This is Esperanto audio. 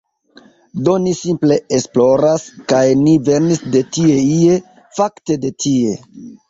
Do ni simple esploras, kaj ni venis de tie ie, fakte de tie.